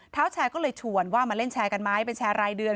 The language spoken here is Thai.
เท้าแชร์ก็เลยชวนว่ามาเล่นแชร์กันไหมเป็นแชร์รายเดือน